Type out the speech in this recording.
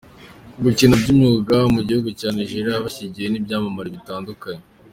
gukina by'umwuga mu gihugu cya Nigeriya abyigishijwe nibyamamare bitandukanye.